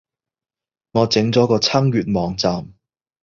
我整咗個撐粵網站